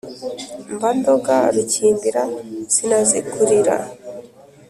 mba ndoga rukimbira sinazikurira!